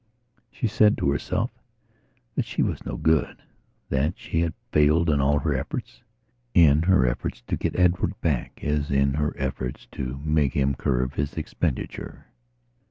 She said to herself that she was no good; that she had failed in all her effortsin her efforts to get Edward back as in her efforts to make him curb his expenditure.